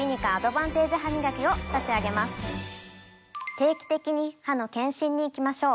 定期的に歯の健診に行きましょう。